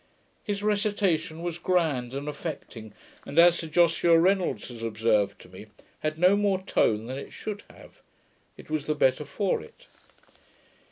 His recitation was grand and affecting, and, as Sir Joshua Reynolds has observed to me, had no more tone than it should have: it was the better for it.